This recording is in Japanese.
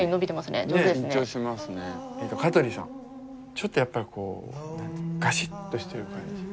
ちょっとこうガシッとしている感じ。